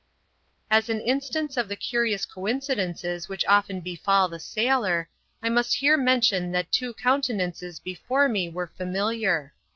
As an instance of the curious coincidences which often befall the sailor, I must here mention, that two countenances before me were familiar.